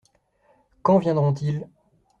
Quand viendront-ils ?